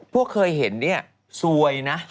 พวกเคยเห็นเนี่ยซวยนะ